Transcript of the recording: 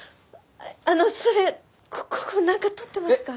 あのそれここなんか撮ってますか？